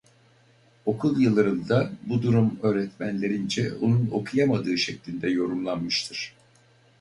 Okul yıllarında bu durum öğretmenlerince onun okuyamadığı şeklinde yorumlanmıştır.